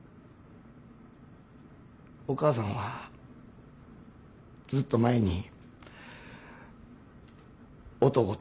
お母さんはずっと前に男と逃げとる。